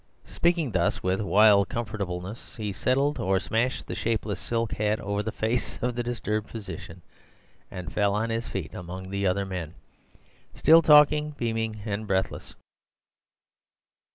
Speaking thus, with a wild comfortableness, he settled or smashed the shapeless silk hat over the face of the disturbed physician, and fell on his feet among the other men, still talking, beaming and breathless.